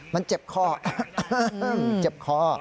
มันเจ็บคอเจ็บคอ